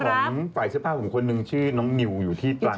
ของฝ่ายเสื้อผ้าผมคนหนึ่งชื่อน้องนิวอยู่ที่ตรัง